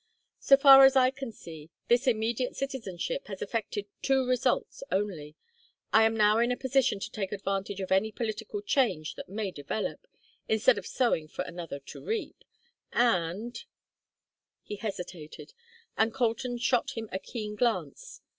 So far as I can see, this immediate citizenship has effected two results only: I am now in a position to take advantage of any political change that may develop, instead of sowing for another to reap and " He hesitated, and Colton shot him a keen glance.